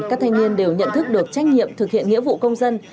các thanh niên đều nhận thức được trách nhiệm thực hiện nghĩa vụ công dân